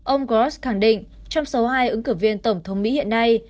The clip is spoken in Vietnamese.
ông grass khẳng định trong số hai ứng cử viên tổng thống mỹ hiện nay